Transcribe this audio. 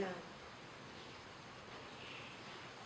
แล้วบอกว่าไม่รู้นะ